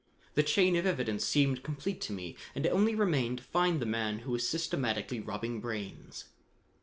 The chain of evidence seemed complete to me, and it only remained to find the man who was systematically robbing brains.